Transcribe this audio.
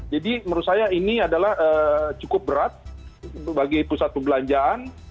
menurut saya ini adalah cukup berat bagi pusat perbelanjaan